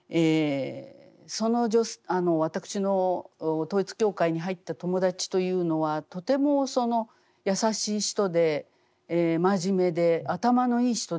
その私の統一教会に入った友達というのはとてもやさしい人で真面目で頭のいい人でした。